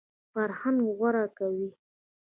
فرهنګ غوره کوي.